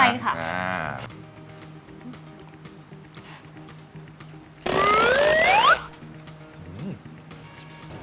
ใช่ค่ะ